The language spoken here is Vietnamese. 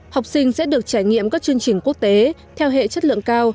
học sinh sẽ được trải nghiệm các chương trình quốc tế theo hệ chất lượng cao